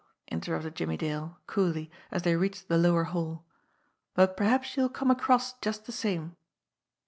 interrupted Jimmie Dale coolly, as they Teached the lower hall. "But perhaps you will come across just the same."